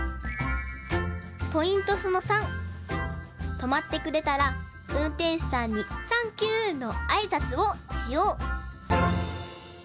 とまってくれたらうんてんしゅさんに「サンキュー！」のあいさつをしよう！